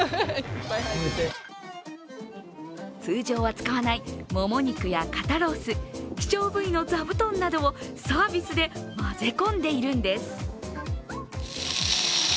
通常は使わないもも肉や肩ロース、希少部位のザブトンなどをサービスで混ぜ込んでいるんです。